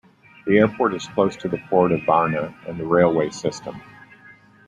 The airport is close to the Port of Varna and the railway system.